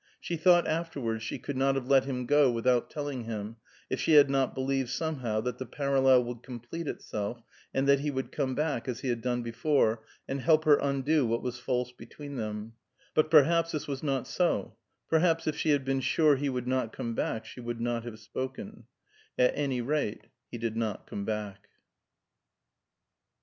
She thought afterwards she could not have let him go without telling him, if she had not believed somehow that the parallel would complete itself, and that he would come back, as he had done before, and help her undo what was false between them; but perhaps this was not so; perhaps if she had been sure he would not come back she would not have spoken; at any rate he did not come back.